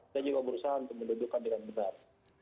saya juga berusaha untuk menunjukkan dengan benar